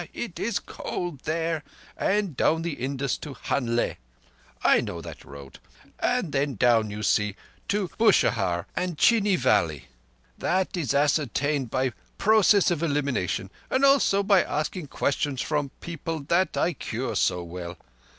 it is cold there), and down the Indus to Hanlé (I know that road), and then down, you see, to Bushahr and Chini valley. That is ascertained by process of elimination, and also by asking questions from people that I cure so well.